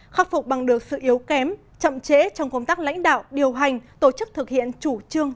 khắc phục bằng được sự yếu kém chậm chế trong công tác lãnh đạo điều hành tổ chức thực hiện chủ trương